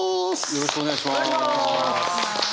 よろしくお願いします。